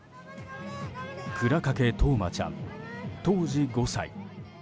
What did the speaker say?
倉掛冬生ちゃん、当時５歳。